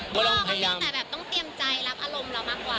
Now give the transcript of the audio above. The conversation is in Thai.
พ่อเขานี่ก็ต้องต้องเตรียมใจรับอารมณ์เรามากกว่า